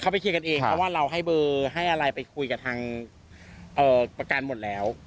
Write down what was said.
เขาไปเคลียร์กันเองเพราะว่าเราให้เบอร์ให้อะไรไปคุยกับทางประกันหมดแล้ว